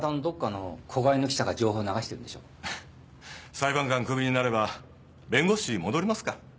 裁判官クビになれば弁護士戻りますか。